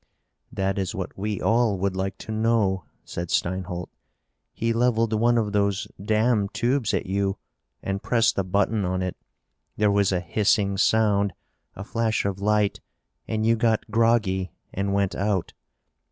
"That is what we all would like to know," said Steinholt. "He leveled one of those damn tubes at you and pressed a button on it. There was a hissing sound, a flash of light, and you got groggy, and went out.